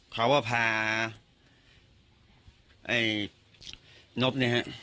เขาพาไอนบเนี้ยฮะ